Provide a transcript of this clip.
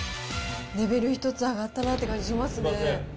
レベル１つ上がったなって感じしますね。